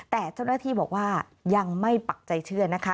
แต่เจ้าหน้าที่บอกว่ายังไม่ปักใจเชื่อนะคะ